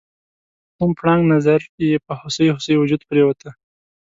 کوم پړانګ نظر یې په هوسۍ هوسۍ وجود پریوته؟